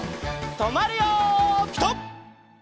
とまるよピタ！